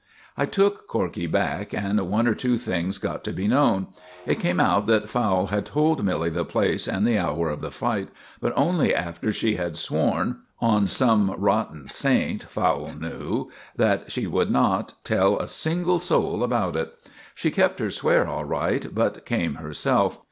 I took Corkey back, and one or two things got to be known. It came out that Fowle had told Milly the place and the hour of the fight, but only after she had sworn on some rotten saint Fowle knew that she would not tell a single soul about it. She kept her swear all right, but came herself.